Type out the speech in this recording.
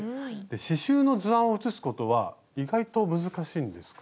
刺しゅうの図案を写すことは意外と難しいんですか？